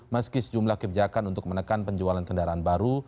meski sejumlah kebijakan untuk menekan penjualan kendaraan baru